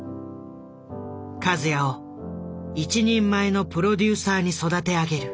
和也を一人前のプロデューサーに育て上げる。